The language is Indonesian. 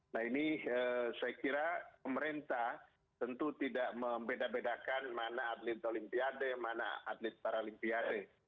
nah ini saya kira pemerintah tentu tidak membeda bedakan mana atlet olimpiade mana atlet paralimpiade